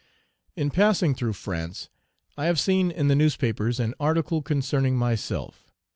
In passing through France, I have seen in the newspapers an article concerning myself.